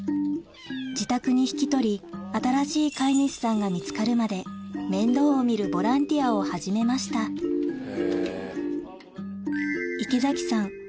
自宅に引き取り新しい飼い主さんが見つかるまで面倒を見るボランティアを始めました池崎さん